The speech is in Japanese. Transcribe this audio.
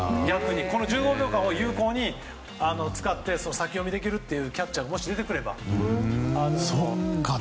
この１５秒間を有効に使って先読みできるというキャッチャーがもし出てくれば。